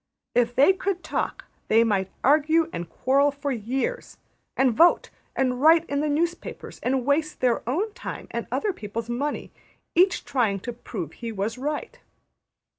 If they could talk, they might argue and quarrel for years; and vote; and write in the newspapers; and waste their own time and other people's money; each trying to prove he was right.